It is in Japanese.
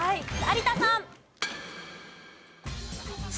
有田さん。